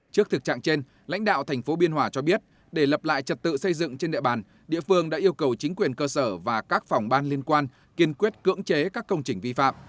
trước thực trạng trên lãnh đạo thành phố biên hòa cho biết để lập lại trật tự xây dựng trên địa bàn địa phương đã yêu cầu chính quyền cơ sở và các phòng ban liên quan kiên quyết cưỡng chế các công trình vi phạm